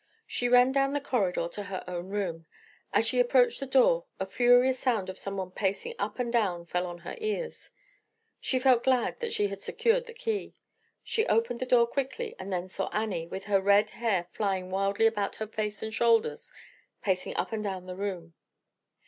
She ran down the corridor to her own room. As she approached the door, a furious sound of someone pacing up and down fell on her ears. She felt glad that she had secured the key. She opened the door quickly, and then saw Annie, with her red hair flying wildly about her face and shoulders, pacing up and down the room.